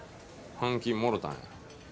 半金もろたんや。